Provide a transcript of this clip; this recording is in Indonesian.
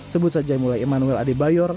sebut saja mulai emmanuel adebayor